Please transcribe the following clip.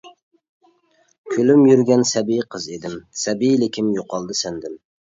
كۈلۈم يۈرگەن سەبىي قىز ئىدىم، سەبىيلىكىم يوقالدى سەندىن.